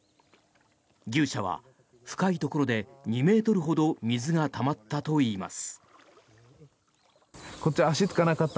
牛舎は深いところで２ｍほど水がたまったといいます。